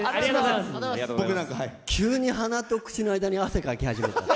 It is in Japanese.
急に鼻と口の間に汗かき始めた。